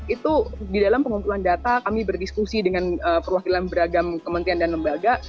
itu di dalam pengumpulan data kami berdiskusi dengan perwakilan beragam kementerian dan lembaga